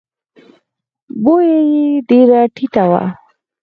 بویه یې ډېره ټیټه وه.